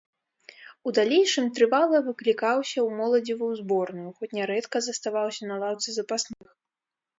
У далейшым трывала выклікаўся ў моладзевую зборную, хоць нярэдка заставаўся на лаўцы запасных.